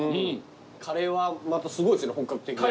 カレーはまたすごいですね本格的で。